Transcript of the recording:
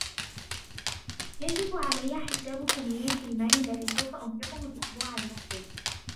يجب علي حساب كمية المال الذي سوف أنفقه الاسبوع المقبل.